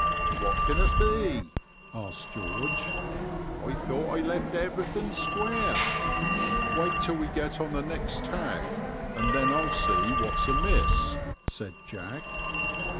" What can it be ?" asked George ;I though I left everything square.*' Wait till we get on to the next tack, and then 1*11 see what's amiss,*' said Jack.